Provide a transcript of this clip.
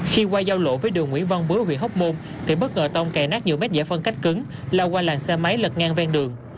khi qua giao lộ với đường nguyễn văn bướ huyện hóc môn thì bất ngờ tông kè nát nhiều mét giải phân cách cứng lao qua làng xe máy lật ngang ven đường